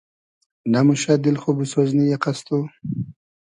نئموشۂ دیل خو بۉسیزنی یئقئس تو؟